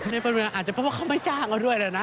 ในภาพเมืองอาจจะเพราะว่าเค้าไม่จ้างกันด้วยแหละนะ